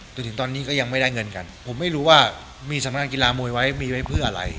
จนถึงตอนนี้ก็ยังไม่ได้เงินกันผมไม่รู้ว่ามีสำนักงานกีฬามวยไว้มีไว้เพื่ออะไร